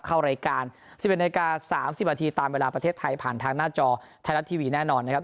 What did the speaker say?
เข้ารายการ๑๑นาที๓๐นาทีตามเวลาประเทศไทยผ่านทางหน้าจอไทยรัฐทีวีแน่นอนนะครับ